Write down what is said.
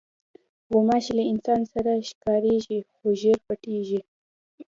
غوماشې له انسان سره ښکارېږي، خو ژر پټېږي.